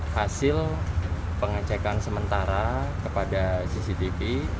hasil pengecekan sementara kepada cctv